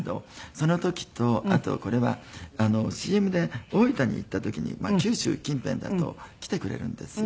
その時とあとこれはＣＭで大分に行った時に九州近辺だと来てくれるんですよ。